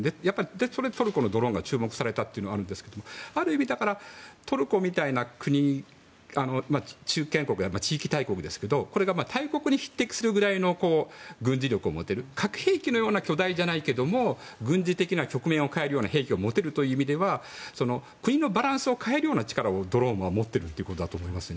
それでトルコのドローンが注目されたというのもあるんですがある意味、トルコみたいな国中堅国地域大国ですけど大国に匹敵するくらいの軍事力を持てる核兵器のような巨大じゃないけど軍事的な局面を変えるような兵器を持てるという意味では国のバランスを変えるような力をドローンが持ってるということだと思いますね。